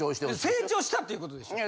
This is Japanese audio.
成長したっていう事でしょ。